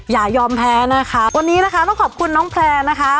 อย่ายอมแพ้นะคะวันนี้นะคะต้องขอบคุณน้องแพลร์นะคะ